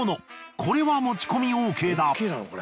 これは持ち込みＯＫだ。